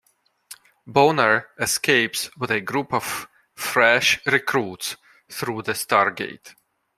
Bonner escapes with a group of fresh recruits through the Stargate.